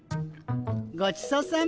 ごちそうさま。